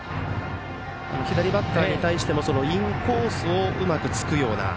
左バッターに対してもインコースをうまく突くような。